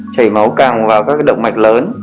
chảy máu càng vào các động mạch lớn